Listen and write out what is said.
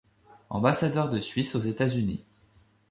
Ambassadeur de Suisse aux États-Unis.